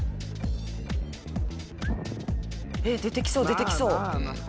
出てきそう出てきそう。